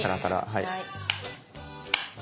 はい。